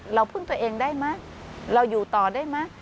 พึ่งตัวเองได้ไหมเราอยู่ต่อได้ไหม